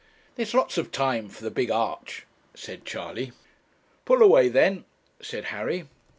'There's lots of time for the big arch,' said Charley. 'Pull away then,' said Harry.